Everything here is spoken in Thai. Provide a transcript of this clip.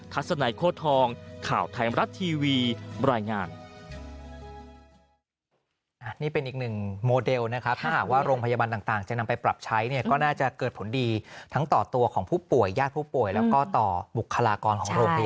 ทัศนโฆษธองข่าวไทยอำรัฐทีวีบรรยายงาน